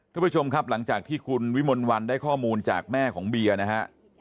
ทุกผู้ชมครับหลังจากที่คุณวิมลวันได้ข้อมูลจากแม่ของเบียร์นะฮะ